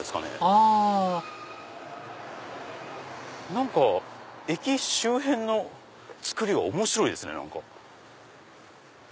あ何か駅周辺の造りは面白いですね。